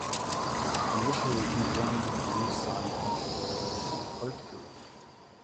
Initially he joined Blue Sun Contemporary Art Group.